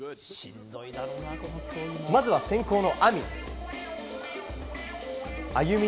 まずは先攻の亜実。